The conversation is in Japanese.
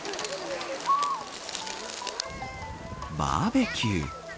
バーベキュー。